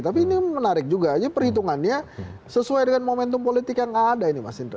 tapi ini menarik juga aja perhitungannya sesuai dengan momentum politik yang nggak ada ini mas indra